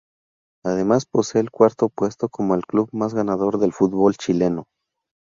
Además posee el cuarto puesto cómo el club más ganador del fútbol Chileno.